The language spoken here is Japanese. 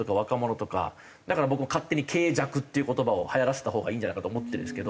だから僕も勝手に「敬若」っていう言葉をはやらせたほうがいいんじゃないかと思ってるんですけど。